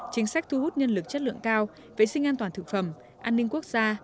chính sách thu hút nhân lực chất lượng cao vệ sinh an toàn thực phẩm an ninh quốc gia